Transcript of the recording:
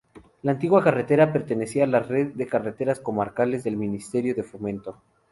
La antigua carretera pertenecía a la red de carreteras comarcales del Ministerio de Fomento.